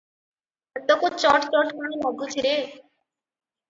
ହାତକୁ ଚଟ୍ ଚଟ୍ କଣ ଲାଗୁଛି ରେ?